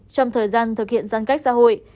trong thời gian thực hiện gian cách xã hội